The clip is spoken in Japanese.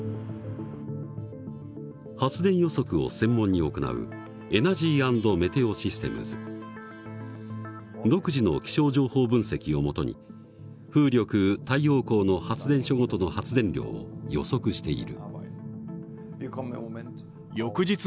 発電予測を専門に行う独自の気象情報分析をもとに風力太陽光の発電所ごとの発電量を予測している。